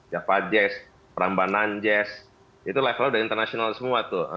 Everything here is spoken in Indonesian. java jazz perambanan jazz itu levelnya udah internasional semua tuh